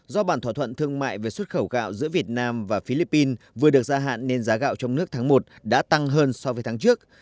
do bản thỏa thuận thương mại về xuất khẩu gạo giữa việt nam và philippines vừa được gia hạn nên giá gạo trong nước tháng một đã tăng hơn so với tháng trước